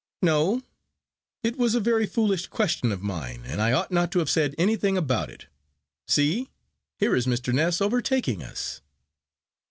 "No; it was a very foolish question of mine, and I ought not to have said anything about it. See! here is Mr. Ness overtaking us."